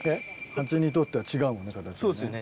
ハチにとっては違うもんね形がね。